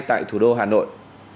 tại thủ đô hà nội